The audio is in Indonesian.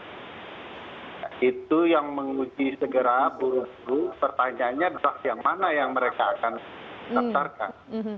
kalau mereka sudah menguji segera buru buru pertanyaannya drak yang mana yang mereka akan seksarkan